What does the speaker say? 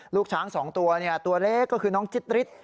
ลูกช้างสองตัวตัวเล็กก็คือน้องจิ๊ด